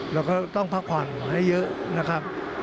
เราก็ต้องพักผ่อนให้เยอะนะครับ